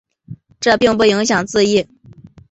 这并不影响字义。